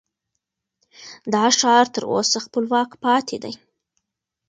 دا ښار تر اوسه خپلواک پاتې دی.